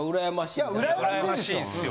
いやうらやましいですよ。